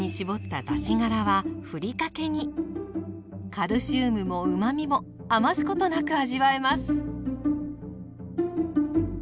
カルシウムもうまみも余すことなく味わえます。